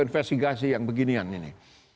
investigasi yang beginian ini